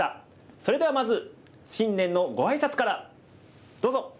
それではまず新年のご挨拶からどうぞ！